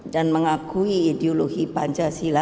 dan mengakui ideologi pancasila